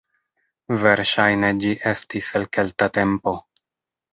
Verŝajne ĝi estis el kelta tempo.